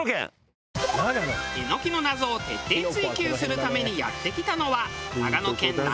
エノキの謎を徹底追究するためにやって来たのは。